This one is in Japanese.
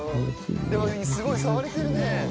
でもすごい触れてるね。